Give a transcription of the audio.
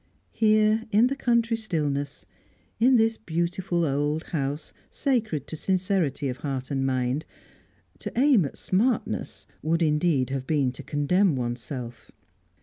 Here, in the country stillness, in this beautiful old house sacred to sincerity of heart and mind, to aim at "smartness" would indeed have been to condemn oneself.